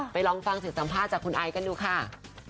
ไปลองฟังสินสัมภาษณ์จากคุณไอ้กันดูค่ะ